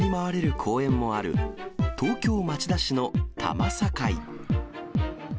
公園もある、東京・町田市の多摩境。